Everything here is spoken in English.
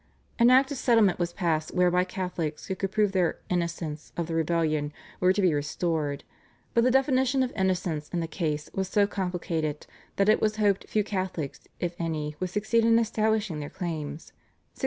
An Act of Settlement was passed whereby Catholics who could prove their "innocence" of the rebellion were to be restored, but the definition of innocence in the case was so complicated that it was hoped few Catholics, if any, would succeed in establishing their claims (1661).